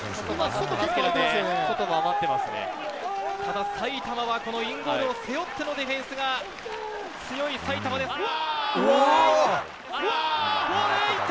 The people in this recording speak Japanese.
ただ、埼玉はこのインゴールを背負ってのディフェンスが強い埼玉ですが。